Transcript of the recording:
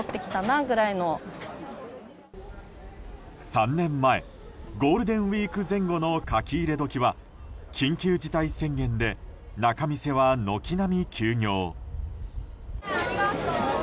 ３年前ゴールデンウィーク前後の書き入れ時は緊急事態宣言で仲見世は軒並み休業。